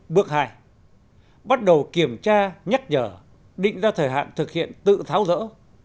bước hai bắt đầu kiểm tra nhắc nhở định ra thời hạn thực hiện tự tháo rỡ